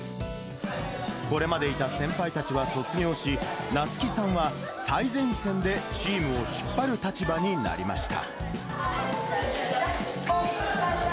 これまでいた先輩たちは卒業し、なつきさんは最前線でチームを引っ張る立場になりました。